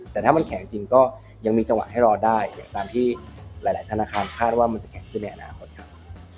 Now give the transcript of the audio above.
แต่ถ้ามันแข็งจริงก็ยังมีจังหวะให้รอได้ตามที่หลายธนาคารคาดว่ามันจะแข็งขึ้นในอนาคตครับ